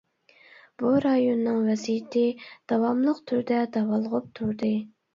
بۇ رايوننىڭ ۋەزىيىتى داۋاملىق تۈردە داۋالغۇپ تۇردى.